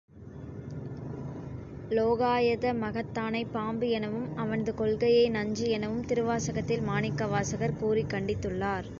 உலோகாயத மதத்தானைப் பாம்பு எனவும் அவன்து கொள்கையை நஞ்சு எனவும் திருவாசகத்தில் மாணிக்கவாசகர் கூறிக் கண்டித்துள்ளார்.